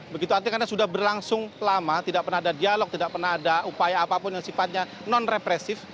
begitu artinya karena sudah berlangsung lama tidak pernah ada dialog tidak pernah ada upaya apapun yang sifatnya non represif